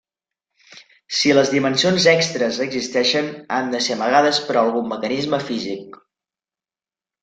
Si les dimensions extres existeixen, han de ser amagades per algun mecanisme físic.